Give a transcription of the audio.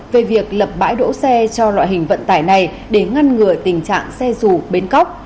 về việc lập bãi đỗ xe cho loại hình vận tải này để ngăn ngừa tình trạng xe dù bến cóc